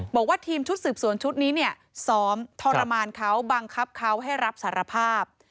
บอกว่าทีมชุดสืบสวนชุดนี้เนี่ยซ้อมทรมานเขาบังคับเขาให้รับสารภาพ